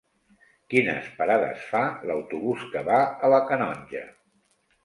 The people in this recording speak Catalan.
Quines parades fa l'autobús que va a la Canonja?